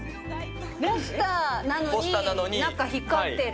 ポスターなのに、中光ってる。